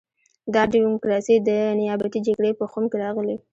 دا ډیموکراسي د نیابتي جګړې په خُم کې راغلې.